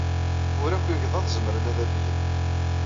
Ur akk igḍaḍ zemren ad afgen.